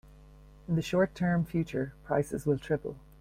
In the short term future, prices will triple.